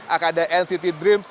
akan ada nct dream